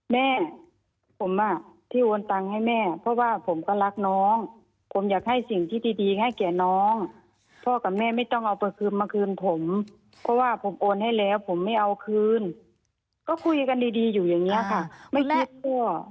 แม่ผมอ่ะที่โอนตังค์ให้แม่เพราะว่าผมก็รักน้องผมอยากให้สิ่งที่ดีให้แก่น้องพ่อกับแม่ไม่ต้องเอาไปคืนมาคืนผมเพราะว่าผมโอนให้แล้วผมไม่เอาคืนก็คุยกันดีอยู่อย่างนี้ค่ะไม่คิดคั่ว